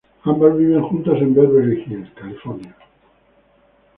Ambas viven juntas en Beverly Hills, California.